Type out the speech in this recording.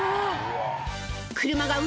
車が運